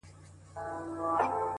نن شپه بيا زه پيغور ته ناسته يمه؛